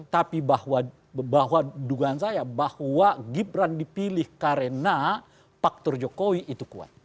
tapi bahwa dugaan saya bahwa gibran dipilih karena faktor jokowi itu kuat